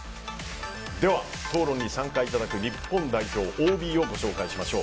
では、討論に参加いただく日本代表ＯＢをご紹介しましょう。